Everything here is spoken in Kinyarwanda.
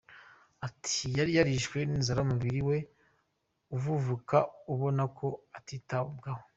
Ati “Yari yarishwe n’inzara, umubiri we uvuvuka ubona ko atitabwaho.